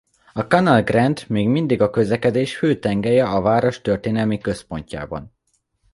A Canal Grande még mindig a közlekedés fő tengelye a város történelmi központjában.